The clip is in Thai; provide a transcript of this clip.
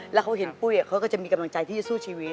แล้วเขาเห็นปุ้ยเขาก็จะมีกำลังใจที่จะสู้ชีวิต